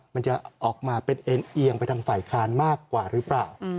มันจะออกมาเป็นเอ็นเอียงไปทางฝ่ายค้านมากกว่าหรือเปล่า